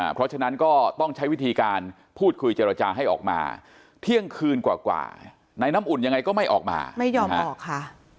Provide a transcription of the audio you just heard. เพราะฉะนั้นก็ต้องใช้วิธีการพูดคุยเจรจาให้ออกมาเที่ยงคืนกว่านายน้ำอุ่นยังไงก็ไม่ออกมาไม่ยอมออกค่ะ